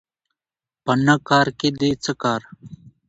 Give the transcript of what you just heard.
په نه کارکې دې څه کار